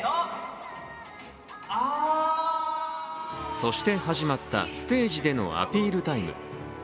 そして始まったステージでのアピールタイム。